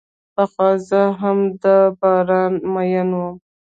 پخوا زه هم په باران مئین وم.